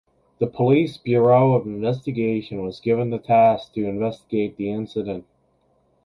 The Police Bureau of Investigation was given the task to investigate the incident.